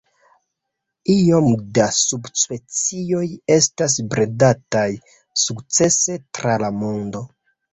Iom da subspecioj estas bredataj sukcese tra la mondo.